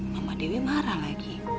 mama dewi marah lagi